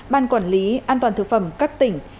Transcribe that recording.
ban quản lý an toàn thực phẩm các tỉnh